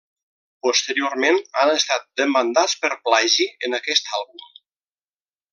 Posteriorment han estat demandats per plagi en aquest àlbum.